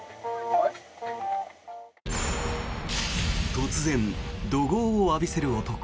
突然、怒号を浴びせる男。